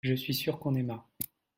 Je suis sûr qu'on aima.